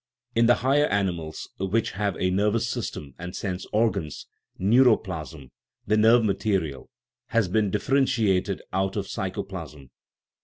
In the higher animals, which have a nervous system and sense organs, " neuro plasm," the nerve material, has been differentiated out of psychoplasm.